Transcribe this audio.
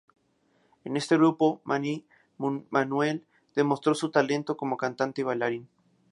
En este grupo, Manny Manuel demostró su talento como cantante y bailarín.